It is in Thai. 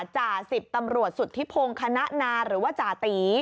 จ่าสิบตำรวจสุธิพงศ์คณะนาหรือว่าจติ